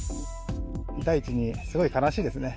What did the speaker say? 第一にすごい悲しいですね。